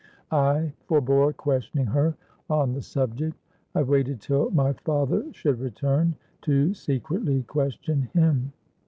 I forbore questioning her on the subject; I waited till my father should return, to secretly question him.